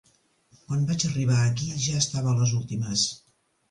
Quan vaig arribar aquí ja estava a les últimes.